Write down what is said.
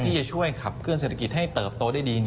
ที่จะช่วยขับเคลื่อเศรษฐกิจให้เติบโตได้ดี